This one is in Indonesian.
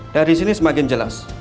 dari sini semakin jelas